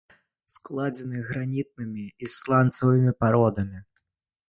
Складзены гранітнымі і сланцавымі пародамі.